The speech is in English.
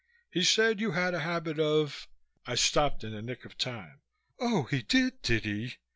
He said you had a habit of " I stopped in the nick of time. "Oh, he did, did he?"